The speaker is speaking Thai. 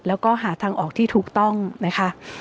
แล้วก็หาทางออกที่ถูกต้องนะคะ